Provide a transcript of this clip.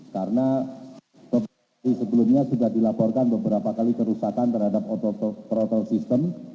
karena sebelumnya sudah dilaporkan beberapa kali kerusakan terhadap ototrotol sistem